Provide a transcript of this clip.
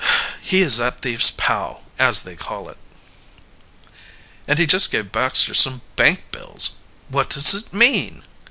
"He is that thief's pal, as they call it." "And he just gave Baxter some bank bills! What does it mean?"